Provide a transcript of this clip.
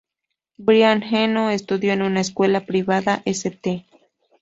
Brian Eno estudió en una escuela privada, St.